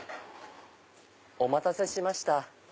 お待たせしました。